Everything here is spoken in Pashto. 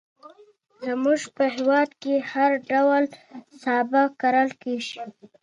مجبور شو چې ننګینو تړونونو ته غاړه کېږدي.